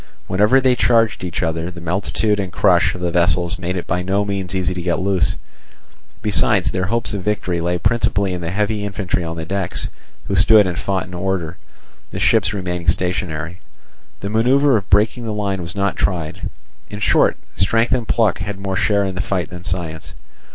Whenever they charged each other, the multitude and crush of the vessels made it by no means easy to get loose; besides, their hopes of victory lay principally in the heavy infantry on the decks, who stood and fought in order, the ships remaining stationary. The manoeuvre of breaking the line was not tried; in short, strength and pluck had more share in the fight than science.